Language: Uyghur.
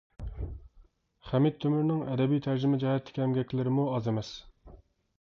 خەمىت تۆمۈرنىڭ ئەدەبىي تەرجىمە جەھەتتىكى ئەمگەكلىرىمۇ ئاز ئەمەس.